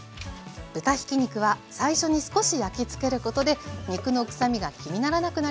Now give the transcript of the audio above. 豚ひき肉は最初に少し焼きつけることで肉のくさみが気にならなくなります。